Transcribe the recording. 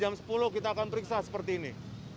jam enam sampai jam sepuluh kita akan periksa seperti ini